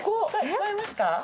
聞こえますか？